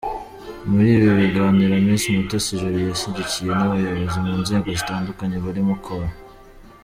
Muri ibi biganiro Miss Mutesi Jolly yashyigikiwe n’abayobozi mu nzego zitandukanye barimo Col.